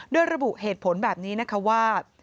โดยระบุเหตุผลแบบนี้นะคะว่า